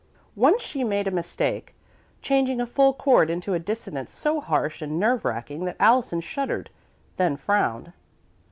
Once she made a mistake, changing a full chord into a dissonance so harsh and nerve racking that Allison shuddered, then frowned.